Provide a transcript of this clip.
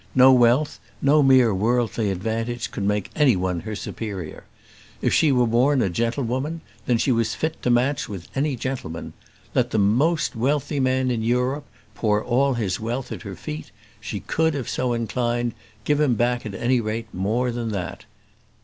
No wealth, no mere worldly advantage could make any one her superior. If she were born a gentlewoman, then was she fit to match with any gentleman. Let the most wealthy man in Europe pour all his wealth at her feet, she could, if so inclined, give him back at any rate more than that.